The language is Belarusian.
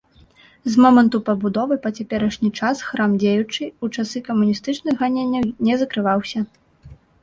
З моманту пабудовы па цяперашні час храм дзеючы, у часы камуністычных ганенняў не закрываўся.